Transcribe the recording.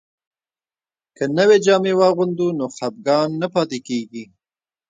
که نوې جامې واغوندو نو خپګان نه پاتې کیږي.